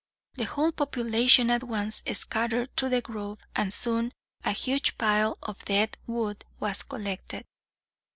The whole population at once scattered through the grove, and soon a huge pile of dead wood was collected.